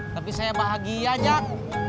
tapi saya bahagia jak